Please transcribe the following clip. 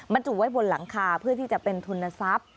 จุไว้บนหลังคาเพื่อที่จะเป็นทุนทรัพย์